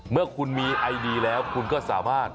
เมื่อคุณมีไอดีแล้วคุณก็สามารถ